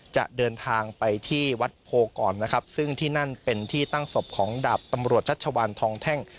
จะเดินทางไปที่วัดโพก่อนนะครับซึ่งที่นั่นเป็นที่ตั้งศพของดาบตำรวจชัชวานทองแท่ง